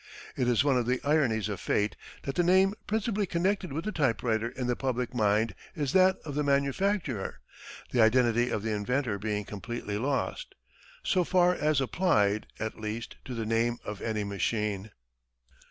It is one of the ironies of fate that the name principally connected with the typewriter in the public mind is that of the manufacturer, the identity of the inventor being completely lost, so far as applied, at least, to the name of any machine.